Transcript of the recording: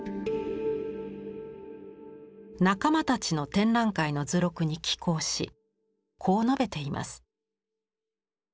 仲間たちの展覧会の図録に寄稿しこう述べています。